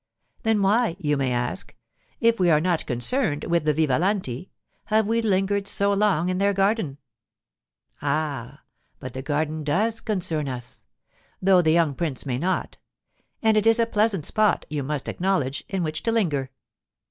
Then why, you may ask, if we are not concerned with the Vivalanti, have we lingered so long in their garden? Ah—but the garden does concern us, though the young prince may not; and it is a pleasant spot, you must acknowledge, in which to linger.